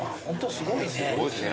すごいっすね。